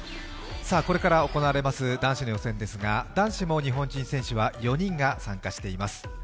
これから行われます、男子の予選ですが男子も日本人選手は４人が参加しています。